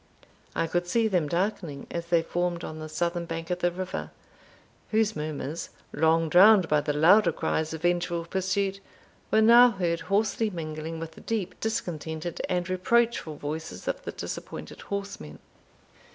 I could see them darkening, as they formed on the southern bank of the river, whose murmurs, long drowned by the louder cries of vengeful pursuit, were now heard hoarsely mingling with the deep, discontented, and reproachful voices of the disappointed horsemen.